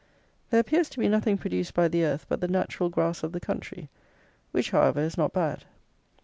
There appears to be nothing produced by the earth but the natural grass of the country, which, however, is not bad.